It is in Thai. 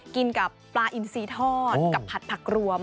กินกับปลาอินซีทอดกับผัดผักรวม